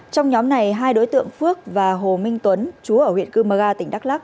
trong nhóm này hai đối tượng phước và hồ minh tuấn chú ở huyện cư mơ ga tỉnh đắk lắc